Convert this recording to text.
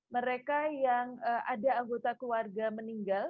mereka yang ada anggota keluarga meninggal